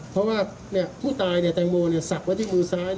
เพราะว่าผู้ตายแตงโมสักไว้ที่มือซ้าย